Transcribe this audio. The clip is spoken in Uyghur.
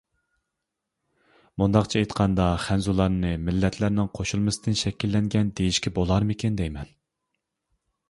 مۇنداقچە ئېيتقاندا، خەنزۇلارنى مىللەتلەرنىڭ قوشۇلمىسىدىن شەكىللەنگەن دېيىشكە بولارمىكىن دەيمەن.